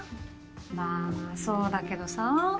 まあそうだけどさ。